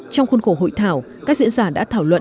trong khuôn khổ hội thảo các diễn giả đã thảo luận